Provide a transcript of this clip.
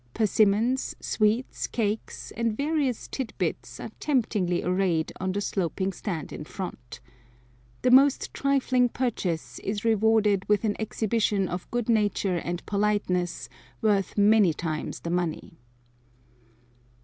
Persimmons, sweets, cakes, and various tid bits are temptingly arrayed on the sloping stand in front. The most trifling purchase is rewarded with an exhibition of good nature and politeness worth many times the money.